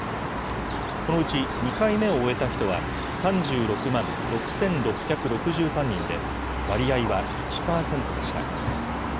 このうち、２回目を終えた人は３６万６６６３人で、割合は１％でした。